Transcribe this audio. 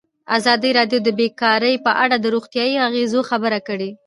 ازادي راډیو د بیکاري په اړه د روغتیایي اغېزو خبره کړې.